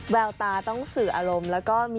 แววตาต้องสื่ออารมณ์